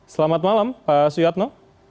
selamat malam pak suyadno